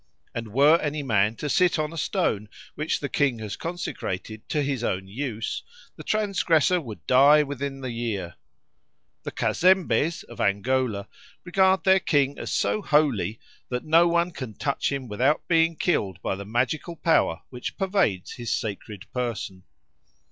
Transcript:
And were any man to sit on a stone which the king has consecrated to his own use, the transgressor would die within the year. The Cazembes of Angola regard their king as so holy that no one can touch him without being killed by the magical power which pervades his sacred person.